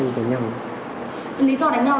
lý do đánh nhau là gì